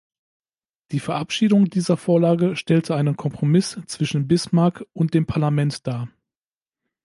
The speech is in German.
Die Verabschiedung dieser Vorlage stellte einen Kompromiss zwischen Bismarck und dem Parlament dar.